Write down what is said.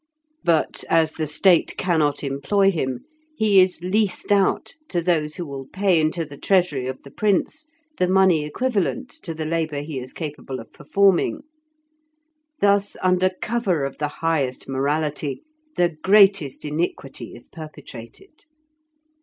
But as the State cannot employ him, he is leased out to those who will pay into the treasury of the prince the money equivalent to the labour he is capable of performing. Thus, under cover of the highest morality, the greatest iniquity is perpetrated.